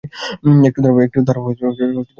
একটু দাড়াও, আমি আসছি।